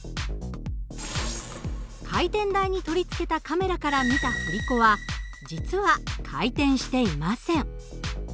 回転台に取り付けたカメラから見た振り子は実は回転していません。